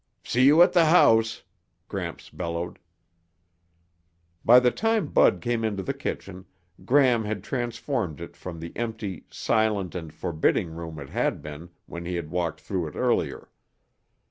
"See you at the house," Gramps bellowed. By the time Bud came into the kitchen, Gram had transformed it from the empty, silent and forbidding room it had been when he had walked through it earlier.